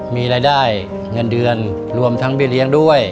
มีรายได้เงินเดือนรวมทั้งเบี้ยเลี้ยงด้วย